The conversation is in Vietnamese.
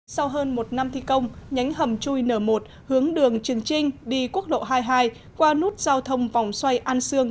sau hơn một năm thi công nhánh hầm chui n một hướng đường trường trinh đi quốc lộ hai mươi hai qua nút giao thông vòng xoay an sương